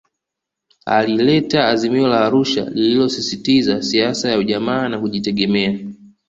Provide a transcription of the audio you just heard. Alileta Azimio la Arusha lililosisitiza siasa ya Ujamaa na Kujitegemea